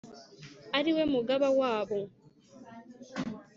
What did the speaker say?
ari we mugaba wabo.